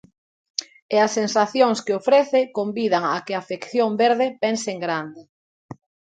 E as sensacións que ofrece convidan a que a afección verde pense en grande.